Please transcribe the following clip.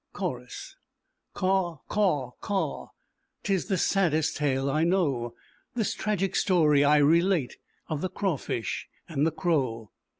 221 CHORUS Caw, Caw, Caw, 'Tis the saddest tale I know, This tragic story I relate Of the Crawfish and the Crow.